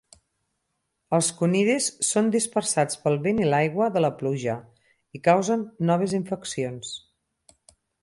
Els conidis són dispersats pel vent i l'aigua de la pluja i causen noves infeccions.